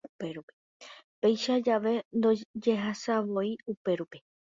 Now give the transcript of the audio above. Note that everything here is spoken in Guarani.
Péicha jave ndojehasaivoi upérupi.